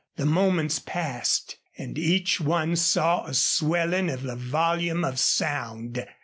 The moments passed and each one saw a swelling of the volume of sound.